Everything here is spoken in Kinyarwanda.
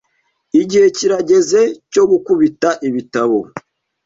Igihe kirageze cyo gukubita ibitabo .